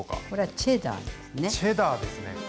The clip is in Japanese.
これはチェダーですね。